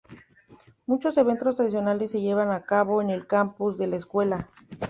Muchos eventos tradicionales se llevan a cabo en el campus de la escuela.